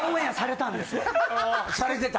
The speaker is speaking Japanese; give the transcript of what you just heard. されてた。